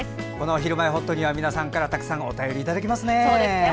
「ひるまえほっと」には皆さんからたくさんお便りいただきますね。